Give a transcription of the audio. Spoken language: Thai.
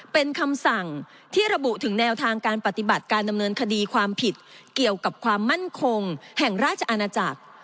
เป็นคำสั่งที่ระบุถึงแนวทางการปฏิบัติการดำเนินคดีความผิดเกี่ยวกับความมั่นคงแห่งราชอาณาจักร